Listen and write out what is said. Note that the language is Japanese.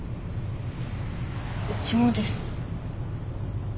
うちもです。